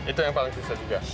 itu yang paling susah juga